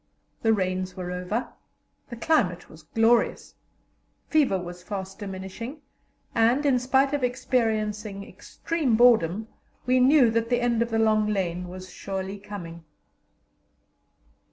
The rains were over, the climate was glorious, fever was fast diminishing, and, in spite of experiencing extreme boredom, we knew that the end of the long lane was surely coming.